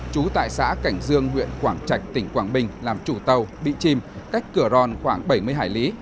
trú tại xã cảnh dương huyện quảng trạch tỉnh quảng bình làm chủ tàu bị chìm cách cửa ròn khoảng bảy mươi hải lý